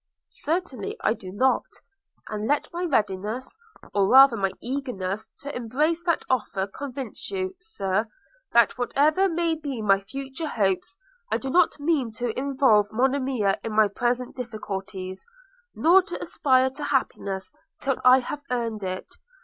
'Certainly I do not. – And let my readiness, or rather my eagerness to embrace that offer convince you, Sir, that whatever may be my future hopes, I do not mean to involve Monimia in my present difficulties, nor to aspire to happiness till I have earned it.